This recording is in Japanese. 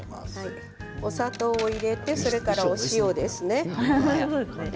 お砂糖を入れてそれから、お塩ですね。